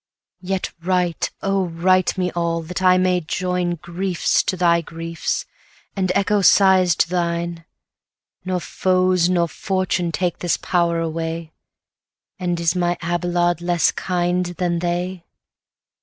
40 Yet write, oh! write me all, that I may join Griefs to thy griefs, and echo sighs to thine. Nor foes nor fortune take this power away; And is my Abelard less kind than they?